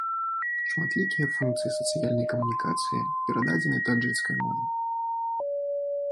Шматлікія функцыі сацыяльнай камунікацыі перададзены таджыкскай мове.